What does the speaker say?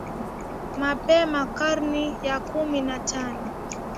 Mapema karne ya kumi na tano